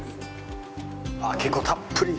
あっ結構たっぷり。